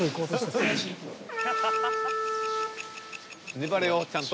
［粘れよちゃんと］